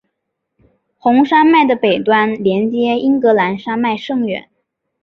红山脉的北端连接英格林山脉甚远。